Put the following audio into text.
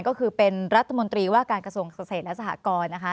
ก็คือเป็นรัฐมนตรีว่าการกระทรวงเกษตรและสหกรนะคะ